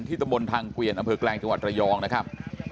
ตะบนทางเกวียนอำเภอแกลงจังหวัดระยองนะครับ